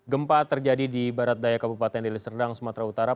gempa terjadi di barat daya kabupaten deli serdang sumatera utara